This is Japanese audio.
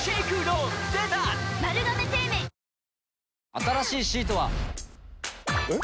新しいシートは。えっ？